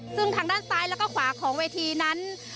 ซึ่งทางด้านซ้ายแล้วก็ขวาของเวทีนั้น